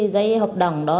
giấy hợp đồng đó